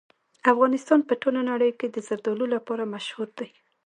افغانستان په ټوله نړۍ کې د زردالو لپاره مشهور دی.